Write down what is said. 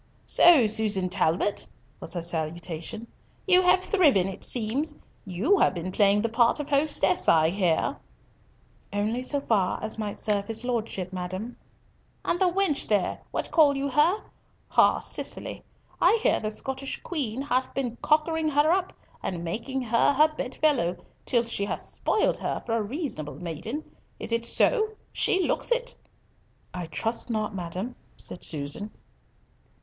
"So, Susan Talbot," was her salutation, "you have thriven, it seems. You have been playing the part of hostess, I hear." "Only so far as might serve his Lordship, madam." "And the wench, there, what call you her? Ay, Cicely. I hear the Scottish Queen hath been cockering her up and making her her bedfellow, till she hath spoilt her for a reasonable maiden. Is it so? She looks it." "I trust not, madam," said Susan.